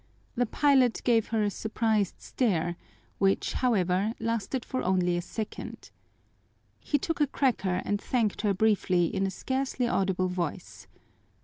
The pilot gave her a surprised stare, which, however, lasted for only a second. He took a cracker and thanked her briefly in a scarcely audible voice.